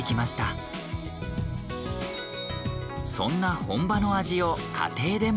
そんな本場の味を家庭でも。